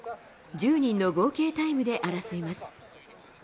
１０人の合計タイムで争います。